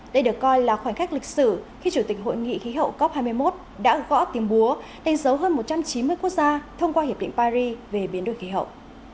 đây được coi là khoảnh khắc lịch sử khi chủ tịch hội nghị khí hậu cop hai mươi một đã gõ tìm búa đánh dấu hơn một trăm chín mươi quốc gia thông qua hiệp định paris về biến đổi khí hậu